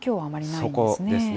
そこですね。